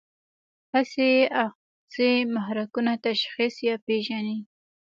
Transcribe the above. حسي آخذې محرکونه تشخیص یا پېژني.